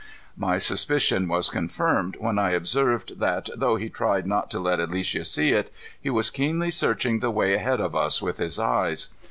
My suspicion was confirmed when I observed that, though he tried not to let Alicia see it, he was keenly searching the way ahead of us with his eyes.